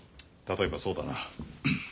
例えばそうだな。